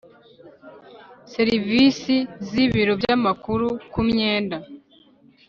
Serivisi z ibiro by amakuru ku myenda